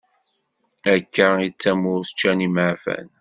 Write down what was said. Akka i d tamurt ččan imeɛfan.